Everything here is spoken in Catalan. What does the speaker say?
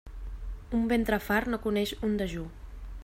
Un ventre fart no coneix un dejú.